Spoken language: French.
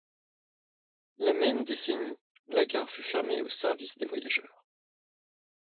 La même décennie, la gare fut fermée au service des voyageurs.